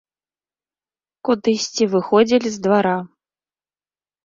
Кудысьці выходзілі з двара.